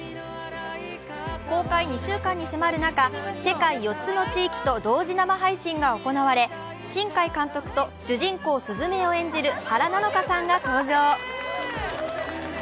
公開２週間に迫る中、世界４つの地域と同時生配信が行われ新海監督と主人公・すずめを演じる原菜乃華さんが登場。